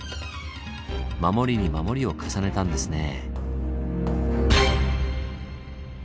守りに守りを重ねたんですね。